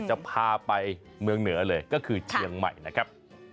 จะพาไปเมืองเหนือเลยก็คือเชียงใหม่นะครับ